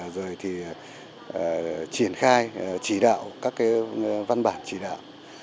rồi thì triển khai chỉ đạo các cái văn bản chỉ đạo